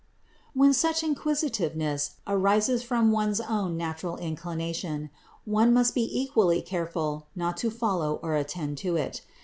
When such inquisitiveness arises from one's own natural inclination, one must be equally careful not to follow or attend to it.